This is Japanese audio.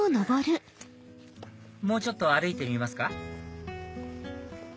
もうちょっと歩いてみますか